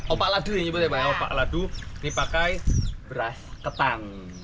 opak ladu ini dipakai beras ketan